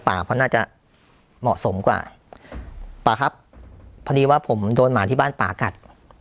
ป่าครับเพราะดีว่าผมโดนหมาที่บ้านป่ากัด